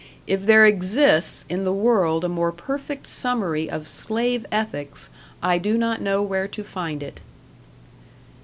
If there exists in the world a more perfect summary of slave ethics, I do not know where to find it.